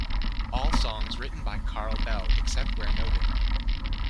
All songs written by Carl Bell except where noted.